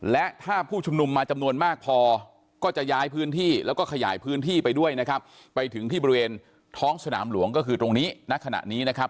และถ้าผู้ชุมนุมมาจำนวนมากพอก็จะย้ายพื้นที่แล้วก็ขยายพื้นที่ไปด้วยนะครับไปถึงที่บริเวณท้องสนามหลวงก็คือตรงนี้ณขณะนี้นะครับ